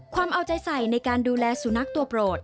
ความเอาใจใส่ในการดูแลสุนัขตัวโปรด